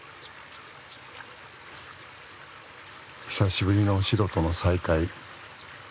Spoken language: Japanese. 久しぶりのしろとの再会。